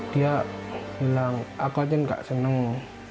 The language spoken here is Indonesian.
dia bilang aku juga tidak senang